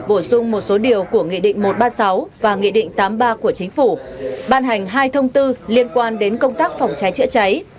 bổ sung một số điều của nghị định một trăm ba mươi sáu và nghị định tám mươi ba của chính phủ ban hành hai thông tư liên quan đến công tác phòng cháy chữa cháy